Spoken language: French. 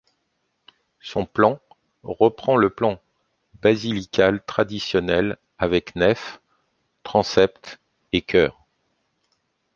Son plan reprend le plan basilical traditionnel avec nef, transept et chœur.